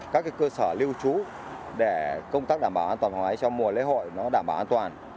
các cơ sở lưu trú để công tác đảm bảo an toàn phòng hóa cháy trong mùa lễ hội đảm bảo an toàn